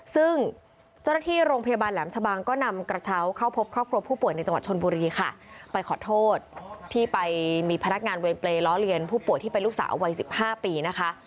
ซึ่งเจ้าหน้าที่โรงพยาบาลแหลมชะบังก็นำกระเช้าเข้าพบครอบครัวผู้ป่วยในจังหวัดชนบุรีค่ะไปขอโทษที่ไปมีพนักงานเวรเปรย์ล้อเลียนผู้ป่วยที่เป็นลูกสาววัย๑๕ปีนะคะ